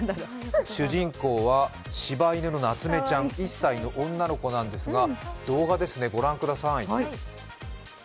主人公は柴犬のなつめちゃん、１歳の女の子なんですが動画ですね、ご覧ください。